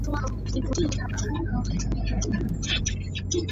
Thorny dragons often eat thousands of ants in one day.